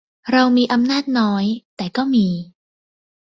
เรามีอำนาจน้อย แต่ก็มี